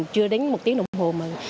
chưa đến một tiếng đồng hồ